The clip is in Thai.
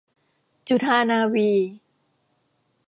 จุฑานาวี